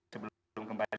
sebelum kembali ke rumah sakit